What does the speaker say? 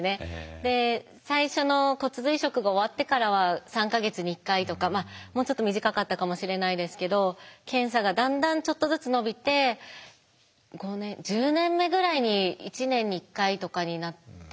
で最初の骨髄移植が終わってからは３か月に１回とかもうちょっと短かったかもしれないですけど検査がだんだんちょっとずつ延びて５年１０年目ぐらいに１年に１回とかになったのかな確か。